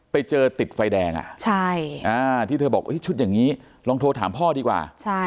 ไปเจอติดไฟแดงที่เธอบอกชุดอย่างนี้ลองโทรถามพ่อดีกว่า